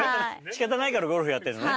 仕方ないからゴルフやってんのね。